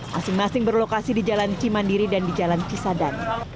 masing masing berlokasi di jalan cimandiri dan di jalan cisada